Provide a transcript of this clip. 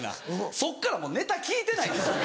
そっからもうネタ聞いてないんですよ。